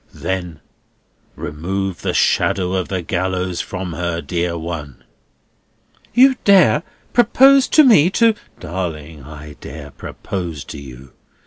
Then remove the shadow of the gallows from her, dear one!" "You dare propose to me to—" "Darling, I dare propose to you.